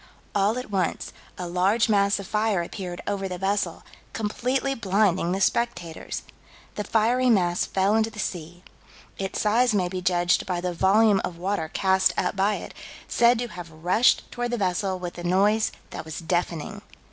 "All at once, a large mass of fire appeared over the vessel, completely blinding the spectators." The fiery mass fell into the sea. Its size may be judged by the volume of water cast up by it, said to have rushed toward the vessel with a noise that was "deafening."